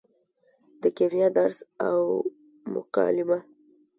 د کیمیا درس او مکالمه